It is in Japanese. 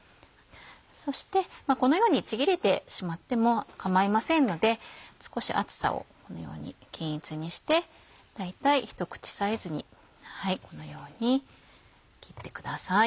そしてこのようにちぎれてしまっても構いませんので少し厚さをこのように均一にして大体一口サイズにこのように切ってください。